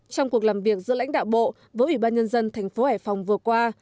trong cuộc làm việc giữa lãnh đạo bộ với ủy ban nhân dân tp hải phòng vừa qua